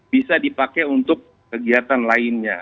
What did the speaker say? bisa dipakai untuk kegiatan lainnya